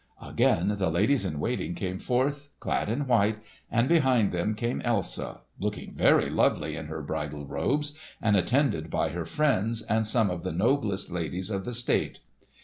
Again the ladies in waiting came forth, clad in white, and behind them came Elsa looking very lovely in her bridal robes and attended by her friends and some of the noblest ladies of the state.